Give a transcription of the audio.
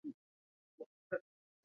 د افغانستان په منظره کې جواهرات ښکاره ده.